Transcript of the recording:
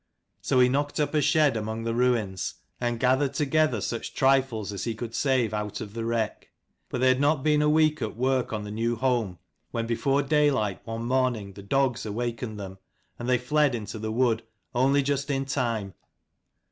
So he knocked up a shed among the ruins, and gathered together such trifles as he could save 259 PEELISLANP out of the wreck. But they had not been a week at work on the new home, when before daylight one morning the dogs awakened them, and they fled into the wood, only just in time.